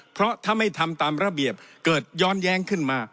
เพราะถ้าไม่ทำตามระเบียบเกิดย้อนแย้งขึ้นมา